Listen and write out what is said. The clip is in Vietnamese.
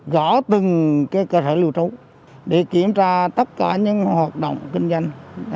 gõ từng cơ sở lưu trú để kiểm tra tất cả những hoạt động kinh doanh